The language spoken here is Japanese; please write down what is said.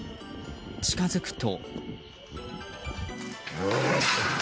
近づくと。